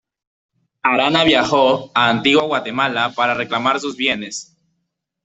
Arana viajó a Antigua Guatemala para reclamar sus bienes.